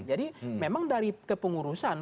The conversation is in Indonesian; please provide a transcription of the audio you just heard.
jadi memang dari kepengurusan